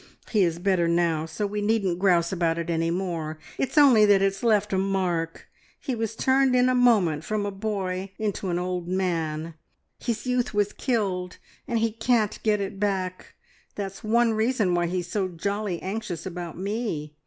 He is better now, so we needn't grouse about it any more. It's only that's it's left a mark! He was turned in a moment from a boy into an old man his youth was killed, and he can't get it back! That's one reason why he's so jolly anxious about me.